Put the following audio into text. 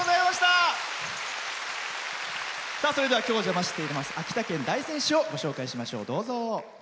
今日、お邪魔している秋田県大仙市をご紹介しましょう。